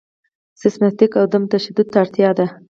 سیستماتیک عدم تشدد ته اړتیا ده.